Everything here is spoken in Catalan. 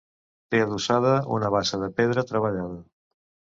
Té adossada una bassa de pedra treballada.